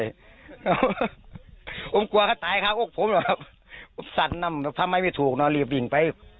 เพราะแล้วผมกลัวข้าตายข้าวอูกผมแล้วครับผมสั่นน่ะผมถ้าไม่ต้องหลีบวิ่งไป